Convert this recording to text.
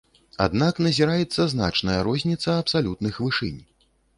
Аднак назіраецца значная розніца абсалютных вышынь.